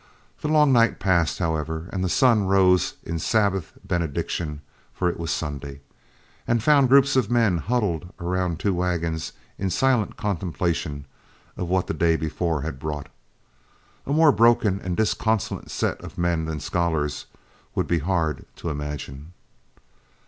The long night passed, however, and the sun rose in Sabbath benediction, for it was Sunday, and found groups of men huddled around two wagons in silent contemplation of what the day before had brought. A more broken and disconsolate set of men than Scholar's would be hard to imagine.